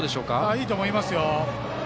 いいと思いますよ。